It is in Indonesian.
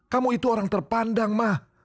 kamu itu orang terpandang mah